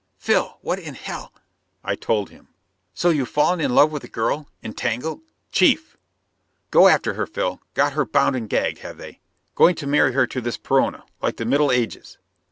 "Phil, what in hell " I told him. "So you've fallen in love with a girl? Entangled " "Chief!" "Go after her, Phil! Got her bound and gagged, have they? Going to marry her to this Perona? Like the Middle Ages?"